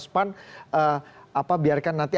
span biarkan nanti